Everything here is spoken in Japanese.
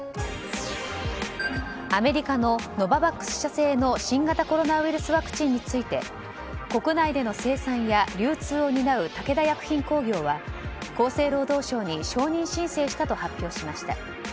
アメリカのノババックス社製の新型コロナウイルスワクチンについて国内での生産や流通をに担う武田薬品工業は厚生労働省に承認申請したと発表しました。